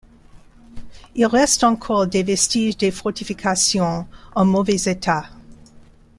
Il reste encore des vestiges des fortifications, en mauvais état.